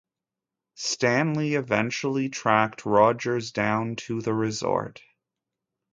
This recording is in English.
Stanley eventually tracked Rogers down to the resort.